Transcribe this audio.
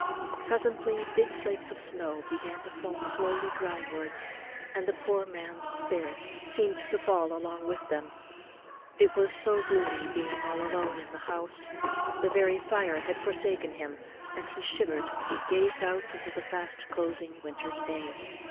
Presently big flakes of snow began to fall slowly ground wards, and the poor man's spirits seemed to fall along with them. It was so gloomy being all alone in the still house; the very fire had forsaken him; and he shivered as he gazed out into the fast closing winter's day.